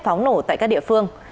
phóng nổ tại các địa phương